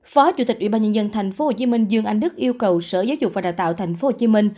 phó chủ tịch ủy ban nhân dân tp hcm dương anh đức yêu cầu sở giáo dục và đào tạo tp hcm